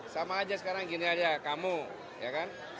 sama aja sekarang gini aja kamu ya kan